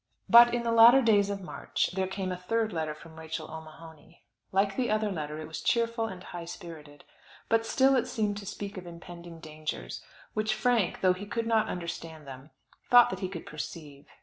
But in the latter days of March there came a third letter from Rachel O'Mahony. Like the other letter it was cheerful, and high spirited; but still it seemed to speak of impending dangers, which Frank, though he could not understand them, thought that he could perceive.